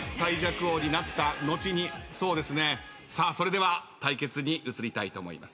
さあそれでは対決に移りたいと思います。